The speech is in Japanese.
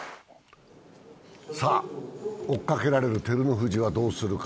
さあ、追っかけられる照ノ富士はどうするか。